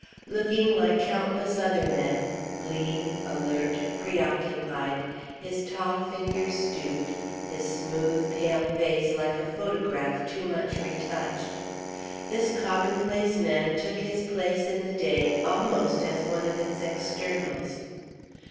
Looking like countless other men, lean, alert, preoccupied, his tall figure stooped, his smooth, pale face like a photograph too much retouched, this commonplace man took his place in the day almost as one of its externals.